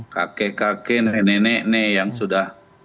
kakek kakek nenek nenek yang sudah